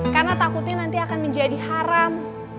karena takutnya nanti akan menjadi haram